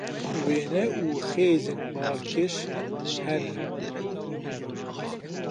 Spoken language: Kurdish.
Wêne û xêzên balkêş hene?